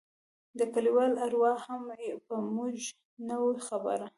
د کليوالو اروا هم په موږ نه وه خبره.